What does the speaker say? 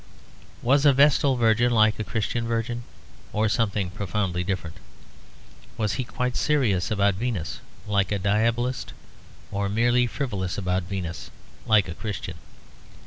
Was a Vestal Virgin like a Christian Virgin, or something profoundly different? Was he quite serious about Venus, like a diabolist, or merely frivolous about Venus, like a Christian?